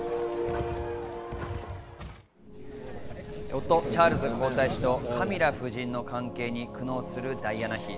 夫・チャールズ皇太子とカミラ夫人の関係に苦悩するダイアナ妃。